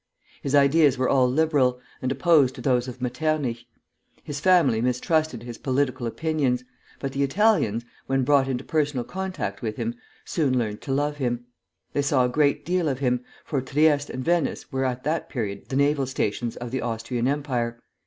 His ideas were all liberal, and opposed to those of Metternich. His family mistrusted his political opinions, but the Italians, when brought into personal contact with him, soon learned to love him. They saw a great deal of him, for Trieste and Venice were at that period the naval stations of the Austrian Empire.